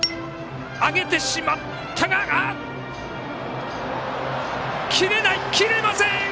上げてしまったが切れません！